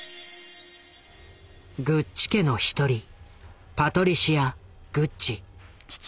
グッチ家の一人パトリシア・グッチ。